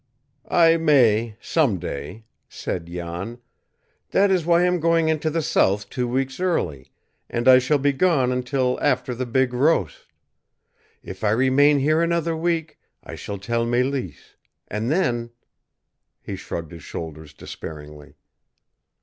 "I may some day," said Jan. "That is why I am going into the South two weeks early, and I shall be gone until after the big roast. If I remain here another week, I shall tell Mélisse, and then " He shrugged his shoulders despairingly.